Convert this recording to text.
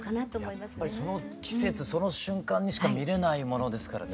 やっぱりその季節その瞬間にしか見れないものですからね。